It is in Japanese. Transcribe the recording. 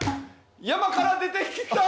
「山から出てきた」